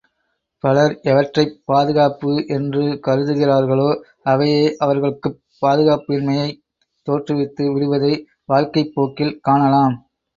பலர் எவற்றைப் பாதுகாப்பு என்று கருதுகிறார்களோ அவையே அவர்களுக்குப் பாதுகாப்பின்மையைத் தோற்றவித்து விடுவதை வாழ்க்கைப் போக்கில் காணலாம்.